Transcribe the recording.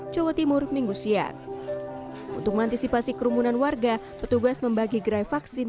jawa timur minggu siang untuk mengantisipasi kerumunan warga petugas membagi gerai vaksin